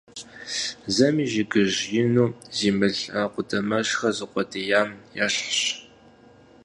Зэми жыгыжь ину зи мыл къудамэжьхэр зыукъуэдиям ещхыц.